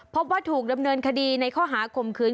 พบว่าถูกดำเนินคดีในข้อหาข่มขืน